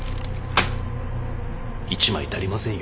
１枚足りませんよ。